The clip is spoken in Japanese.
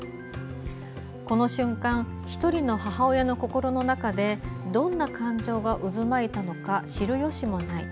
「この瞬間１人の母親の心の中にどんな感情が渦巻いたのか知るよしもない。